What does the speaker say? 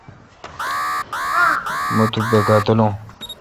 مہ تو بکا تلون۔